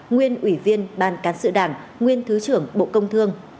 nguyên ủy viên ban cán sự đảng nguyên thứ trưởng bộ công thương